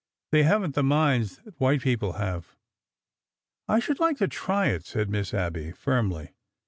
'' They have n't the minds that white people have." I should like to try it," said Miss Abby, firmly.